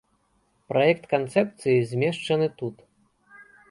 Праект канцэпцыі змешчаны тут.